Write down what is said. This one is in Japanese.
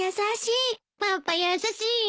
パパ優しいです。